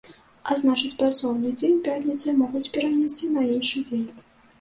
А значыць працоўны дзень пятніцы могуць перанесці на іншы дзень.